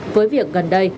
với việc gần đây